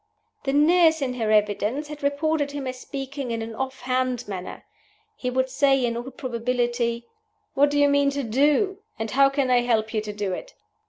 The nurse, in her evidence, had reported him as speaking in an off hand manner. He would say, in all probability, "What do you mean to do? And how can I help you to do it?"